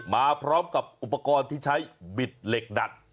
มาพร้อมกับอุปกรณ์ที่ใช้บิดเหล็กดัด